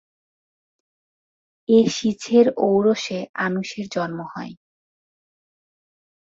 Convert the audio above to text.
এ শীছের ঔরসে আনূশ-এর জন্ম হয়।